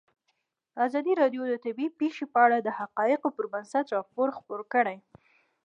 ازادي راډیو د طبیعي پېښې په اړه د حقایقو پر بنسټ راپور خپور کړی.